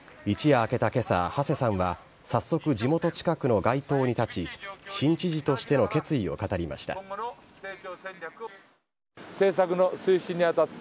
一夜明けたけさ、馳さんは、早速、地元近くの街頭に立ち、新知事としての決意を語りました。